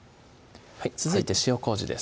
続いて塩麹です